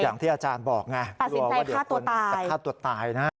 อย่างที่อาจารย์บอกไงประสิทธิใจฆ่าตัวตาย